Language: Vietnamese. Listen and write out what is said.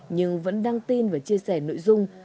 nhưng vẫn đăng tin và chia sẻ nội dung